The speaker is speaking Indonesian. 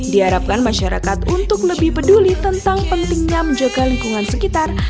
diharapkan masyarakat untuk lebih peduli tentang pentingnya menjaga lingkungan sekitar